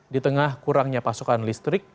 di tengah kurangnya pasokan listrik